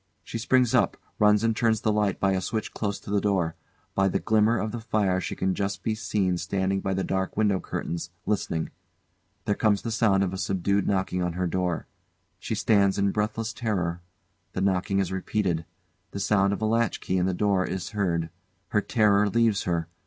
She springs up, runs and turns the light by a switch close to the door. By the glimmer of the fire she can just be seen standing by the dark window curtains, listening. There comes the sound of subdued knocking on her door. She stands in breathless terror. The knocking is repeated. The sound of a latchkey in the door is heard. Her terror leaves her.